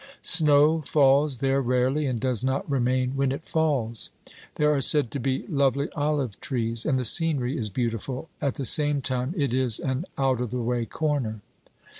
Snow falls there rarely, and does not remain when it falls. There are said to be lovely olive trees, and the scenery is beautiful ; at the same time it is an out of the way corner.